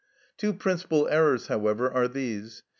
Two principal errors, however, are these.